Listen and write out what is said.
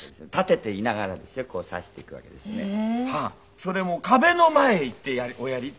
それも壁の前へ行っておやりと。